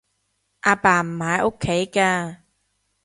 阿爸唔喺屋企㗎